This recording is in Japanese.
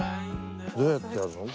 どうやってやるの？